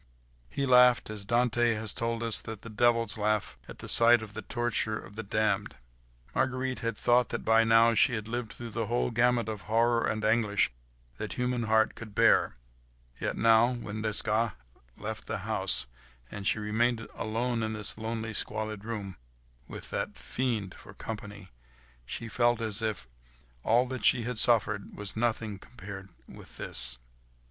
He laughed, as Dante has told us that the devils laugh at sight of the torture of the damned. Marguerite had thought that by now she had lived through the whole gamut of horror and anguish that human heart could bear; yet now, when Desgas left the house, and she remained alone in this lonely, squalid room, with that fiend for company, she felt as if all that she had suffered was nothing compared with this.